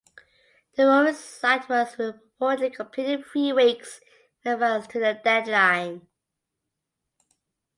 The mooring site was reportedly completed three weeks in advance to the deadline.